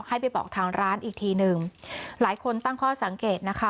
ให้ไปบอกทางร้านอีกทีหนึ่งหลายคนตั้งข้อสังเกตนะคะ